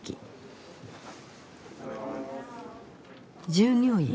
従業員